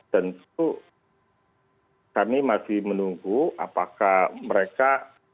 tentu kami masih menunggu apakah mereka